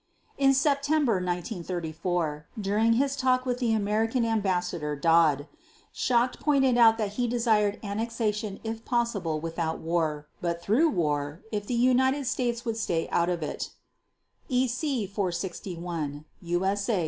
In September 1934, during his talk with the American Ambassador Dodd, Schacht pointed out that he desired annexation if possible without war, but through war, if the United States would stay out of it (EC 461, USA 58).